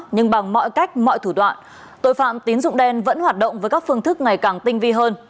nhưng bằng mọi cách mọi thủ đoạn tội phạm tín dụng đen vẫn hoạt động với các phương thức ngày càng tinh vi hơn